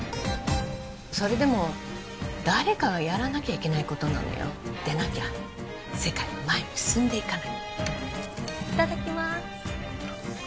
それでも誰かがやらなきゃいけないことなのよでなきゃ世界は前に進んでいかないいただきます